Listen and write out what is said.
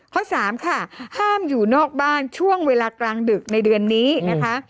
ข้อสามค่ะห้ามอยู่นอกบ้านช่วงเวลากลางดึกในเดือนนี้นะคะ